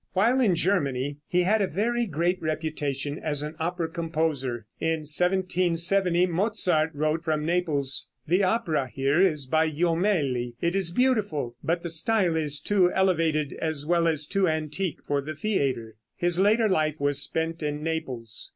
While in Germany he had a very great reputation as an opera composer. In 1770 Mozart wrote from Naples, "The opera here is by Jomelli; it is beautiful, but the style is too elevated as well as too antique for the theater." His later life was spent in Naples.